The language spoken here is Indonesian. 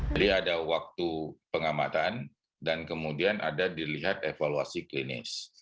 jadi ada waktu pengamatan dan kemudian ada dilihat evaluasi klinis